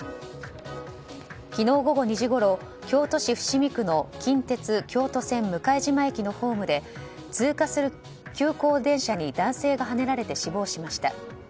昨日午後２時ごろ京都市伏見区の近鉄京都線向島駅のホームで通過する急行電車に男性がはねられて死亡しました。